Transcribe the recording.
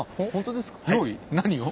何を？